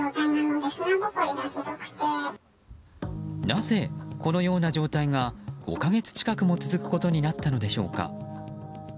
なぜ、このような状態が５か月近くも続くことになったのでしょうか。